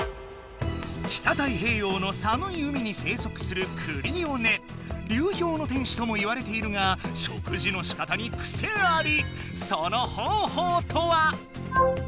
北太平洋のさむい海に生息する「流氷の天使」とも言われているが食事のしかたにクセあり！